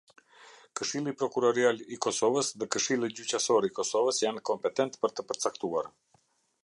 Këshilli Prokurorial i Kosovës dhe Këshilli Gjyqësor i Kosovës janë kompetent për të përcaktuar.